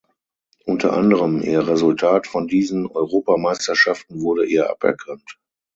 Unter anderem ihr Resultat von diesen Europameisterschaften wurde ihr aberkannt.